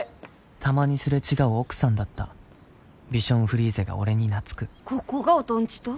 たまにすれ違う奥さんだったビションフリーゼが俺に懐くここが音んちと？